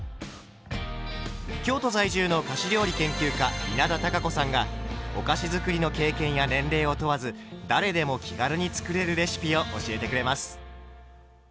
京都在住の菓子料理研究家稲田多佳子さんがお菓子づくりの経験や年齢を問わず誰でも気軽に作れるレシピを教えてくれます。